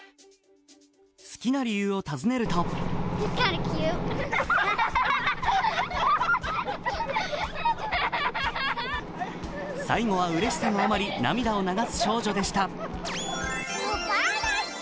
好きな理由を尋ねると最後はうれしさのあまり涙を流す少女でした。